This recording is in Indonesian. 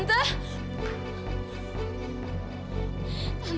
ada yang knowe juga